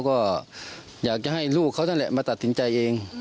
ก็อยากจะให้ลูกเขานั่นแหละมาตัดสินใจเอง